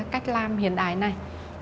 cách làm hiện đại này